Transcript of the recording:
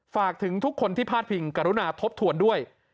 ฝากถึงทุกคนที่พาดพิงกรุณาทบทวนด้วย